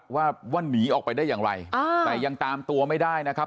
ว่าว่าหนีออกไปได้อย่างไรแต่ยังตามตัวไม่ได้นะครับ